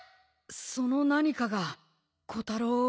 その何かがコタロウを？